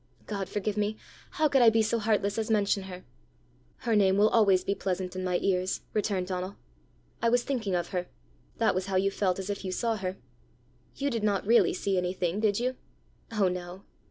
God forgive me! how could I be so heartless as mention her!" "Her name will always be pleasant in my ears," returned Donal. "I was thinking of her that was how you felt as if you saw her! You did not really see anything, did you?" "Oh, no!"